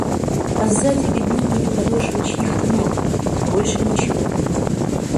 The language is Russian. А сзади видны были подошвы чьих-то ног — и больше ничего.